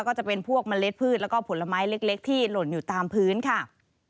ก็จะเป็นพวกเมล็ดพืชแล้วก็ผลไม้เล็กที่หล่นอยู่ตามพื้นค่ะ